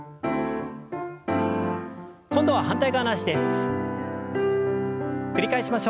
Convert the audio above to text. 今度は反対側の脚です。